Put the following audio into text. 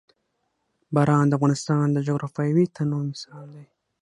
باران د افغانستان د جغرافیوي تنوع مثال دی.